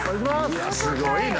いすごいな。